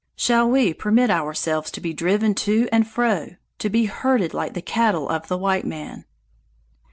Shall we permit ourselves to be driven to and fro to be herded like the cattle of the white man?"